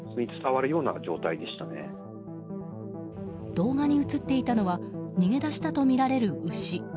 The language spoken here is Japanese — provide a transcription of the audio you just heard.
動画に映っていたのは逃げ出したとみられる牛。